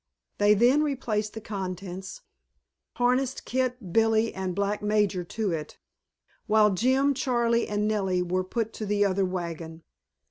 They then replaced the contents, harnessed Kit, Billy, and black Major to it, while Jim, Charley, and Nellie were put to the other wagon.